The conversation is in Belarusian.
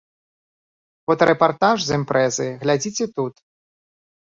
Фотарэпартаж з імпрэзы глядзіце тут.